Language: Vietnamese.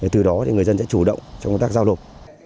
từ đó thì người dân sẽ chủ động trong công tác giao lộp